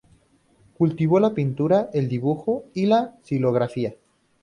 Cultivó la pintura, el dibujo y la xilografía.